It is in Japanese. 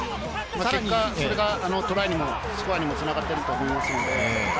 それがトライやスコアにもつながっていると思います。